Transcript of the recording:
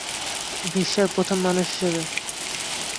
বিশ্বের প্রথম মানুষ হিসেবে।